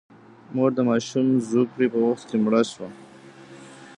مور د ماشوم زوکړې په وخت کې مړه شوه.